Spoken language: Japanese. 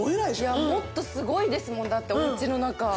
いやもっとすごいですもんだってお家の中。